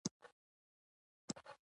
کړو زلمیو مستي شور